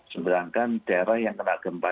sedangkan daerah yang kena gempa